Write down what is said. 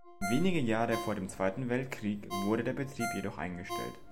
Wenige Jahre vor dem Zweiten Weltkrieg wurde der Betrieb jedoch eingestellt.